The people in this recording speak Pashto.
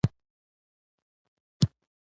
د خیر نیت د روح خوږوالی دی.